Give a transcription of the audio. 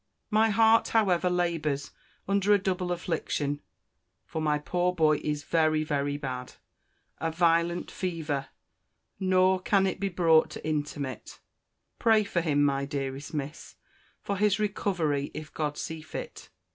My heart, however, labours under a double affliction: For my poor boy is very, very bad—a violent fever—nor can it be brought to intermit.—Pray for him, my dearest Miss—for his recovery, if God see fit.